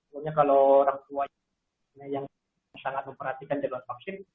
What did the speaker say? soalnya kalau orang tua yang sangat memperhatikan jadwal vaksin